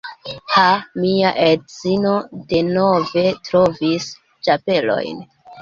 Ha, mia edzino denove trovis ĉapelojn